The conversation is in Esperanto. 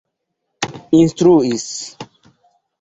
instruis